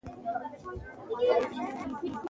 افغانستان کې ژبې د خلکو د ژوند کیفیت تاثیر کوي.